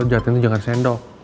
lo jatuhin tuh jangan sendok